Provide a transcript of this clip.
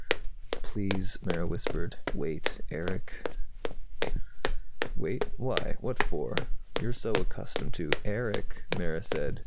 "Please," Mara whispered. "Wait, Erick." "Wait? Why? What for? You're so accustomed to " "Erick," Mara said.